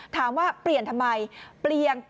ถามว่าเปลี่ยนทำไม